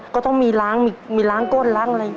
ก็ต้องมีล้างก้นล้างอะไรอย่างนี้